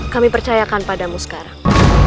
kami percayakan padamu sekarang